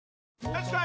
よしこい！